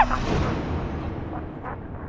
พวกมันอยู่ที่นี่